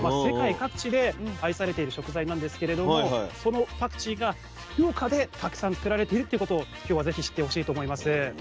世界各地で愛されている食材なんですけれどもそのパクチーが福岡でたくさん作られているっていうことを今日は是非知ってほしいと思います。